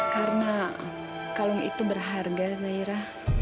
karena kalung itu berharga zaira